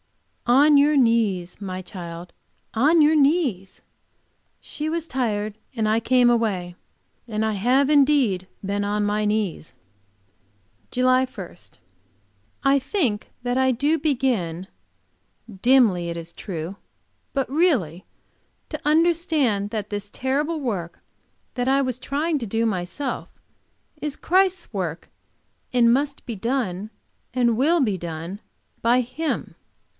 "On your knees, my child, on your knees!" She was tired, and I came away; and I have indeed been on my knees. JULY 1. I think that I do begin, dimly it is true, but really, to understand that this terrible work which I was trying to do myself, is Christ's work, and must be done and will be done by Him.